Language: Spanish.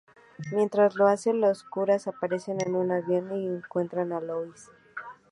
Mientras lo hace, los curas aparecen en un avión y secuestran a Lois.